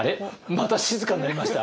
また静かになりました？